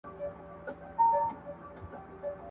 نه د کشر ورور په جېب کي درې غیرانه !.